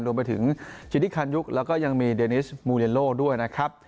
รวมไปถึงจิริคันยุคแล้วก็ยังมีเดนิสมูเดโลด้วยนะครับ